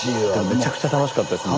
めちゃくちゃ楽しかったです。